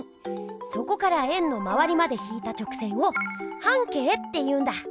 そこから円のまわりまで引いた直線を「半径」っていうんだ。